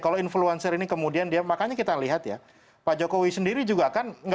kalau influencer ini kemudian dia makanya kita lihat ya pak jokowi sendiri juga kan